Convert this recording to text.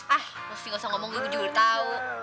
ah mesti gak usah ngomong gue juga udah tau